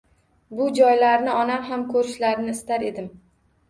Bu joylarni onam ham ko'rishlarini istar edim.